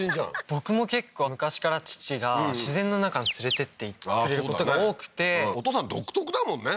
僕も結構昔から父が自然の中に連れてってくれることが多くてお父さん独特だもんね